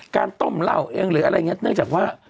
การต้มเหล้าเองหรืออะไรอย่างนี้เนื่องจากว่า